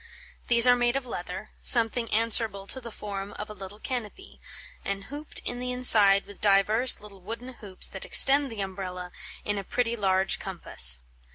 These are made of leather, something answerable to the forme of a little cannopy, & hooped in the inside with divers little wooden hoopes that extend the umbrella in a pretty large cornpasse.